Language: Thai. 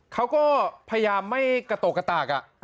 เขาก็พยายามไม่กระโตกกระตาก